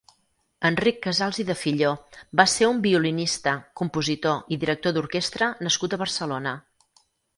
Enric Casals i Defilló va ser un violinista, compositor i director d'orquestra nascut a Barcelona.